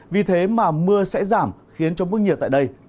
vì thế mà mưa sẽ giảm khiến cho mức nhiệt tại đây tăng nhẹ trở lại